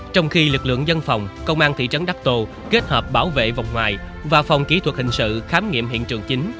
trong khi lực lượng dân phòng công an thị trấn đắc tô kết hợp bảo vệ vòng ngoài và phòng kỹ thuật hình sự khám nghiệm hiện trường chính